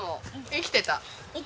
生きてた。